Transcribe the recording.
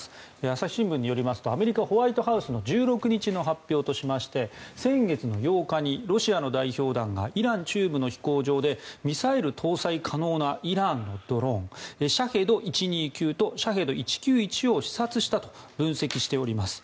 朝日新聞によりますとアメリカ・ホワイトハウスの１６日の発表としまして先月の８日にロシアの代表団がイラン中部の飛行場でミサイル搭載可能なイランのドローンシャヘド１２９とシャヘド１９１を視察したと分析しております。